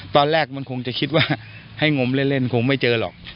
ตอนแรกมันคงจะคิดว่าให้งมเล่นคงไม่เจอหรอก